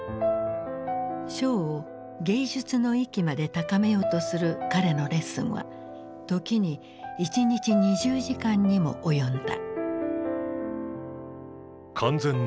ショーを芸術の域まで高めようとする彼のレッスンは時に１日２０時間にも及んだ。